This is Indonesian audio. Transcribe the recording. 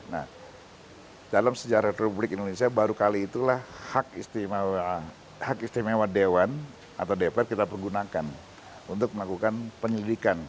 nah dalam sejarah republik indonesia baru kali itulah hak istimewa dewan atau dpr kita pergunakan untuk melakukan penyelidikan